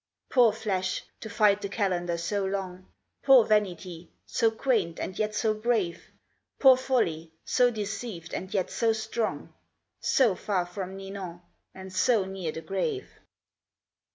Poor flesh, to fight the calendar so long; Poor vanity, so quaint and yet so brave; Poor folly, so deceived and yet so strong, So far from Ninon and so near the grave.